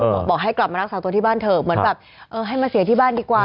บอกให้กลับมารักษาตัวที่บ้านเถอะเหมือนแบบเออให้มาเสียที่บ้านดีกว่า